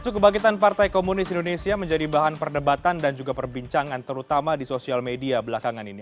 isu kebangkitan partai komunis indonesia menjadi bahan perdebatan dan juga perbincangan terutama di sosial media belakangan ini